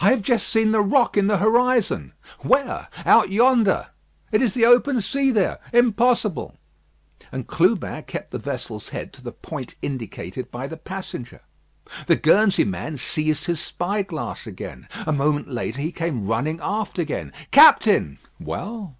"I have just seen the rock in the horizon." "Where?" "Out yonder." "It is the open sea there. Impossible." And Clubin kept the vessel's head to the point indicated by the passenger. The Guernsey man seized his spyglass again. A moment later he came running aft again. "Captain!" "Well."